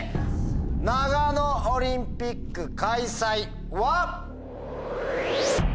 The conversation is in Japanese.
長野オリンピック開催は。